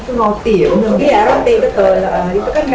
r susah mungkin kali ya